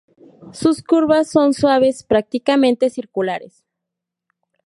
Sus curvas son suaves, prácticamente circulares.